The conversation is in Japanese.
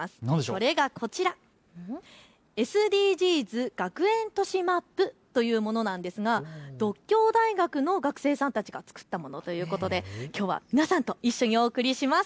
それがこちら、ＳＤＧｓ学園都市マップというものなのですが獨協大学の学生さんたちが作ったものということできょうは皆さんと一緒にお送りします。